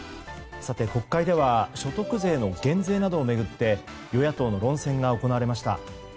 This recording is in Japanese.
国会では所得税の減税などを巡って与野党の論戦が行われました。